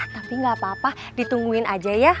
tapi gapapa ditungguin aja ya